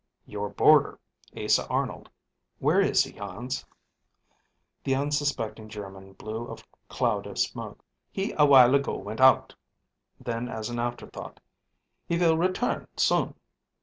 "Your boarder, Asa Arnold, where is he, Hans?" The unsuspecting German blew a cloud of smoke. "He a while ago went out." Then, as an afterthought: "He will return soon."